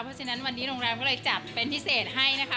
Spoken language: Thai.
เพราะฉะนั้นวันนี้โรงแรมก็เลยจัดเป็นพิเศษให้นะคะ